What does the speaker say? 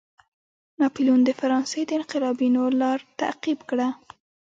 ناپلیون د فرانسې د انقلابینو لار تعقیب کړه.